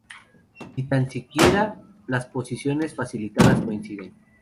Ni tan siquiera las posiciones facilitadas coinciden.